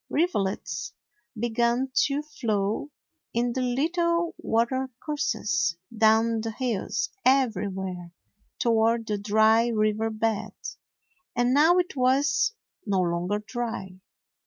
Rivulets began to flow in the little watercourses down the hills everywhere, toward the dry river bed. And now it was no longer dry.